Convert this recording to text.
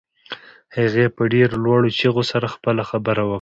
هغې په ډېرو لوړو چيغو سره خپله خبره وکړه.